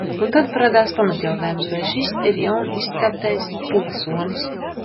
"Un tad parādās pamatjautājums: vai šis "jaunizceptais" pilsonis."